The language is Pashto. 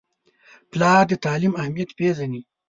پلار د تعلیم اهمیت پیژني.